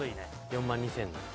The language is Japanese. ４万２，０００円になる。